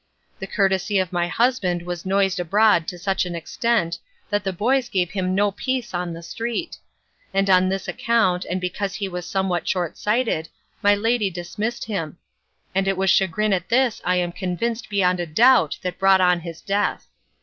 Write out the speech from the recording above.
The courtesy of my husband was noised abroad to such an extent, that the boys gave him no peace in the street; and on this account, and because he was somewhat shortsighted, my lady dismissed him; and it was chagrin at this I am convinced beyond a doubt that brought on his death.